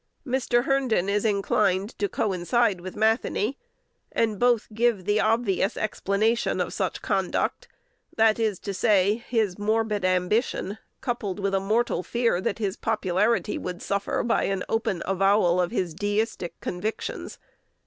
Mr. Herndon is inclined to coincide with Matheny; and both give the obvious explanation of such conduct; that is to say, his morbid ambition; coupled with a mortal fear that his popularity would suffer by an open avowal of his deistic convictions.